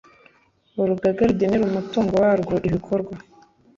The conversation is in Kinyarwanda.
Urugaga rugenera umutungo warwo ibikorwa